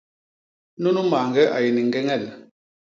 Nunu mañge a yé ni ñgeñel.